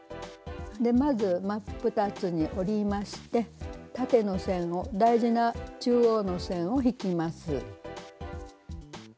まず真っ二つに折りまして縦の線を大事な中央の線を引きます。